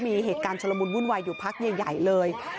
มีเหตุการณ์ชุลมุนวุ่นวายอยู่พักใหญ่เลย